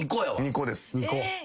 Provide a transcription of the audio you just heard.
２個です。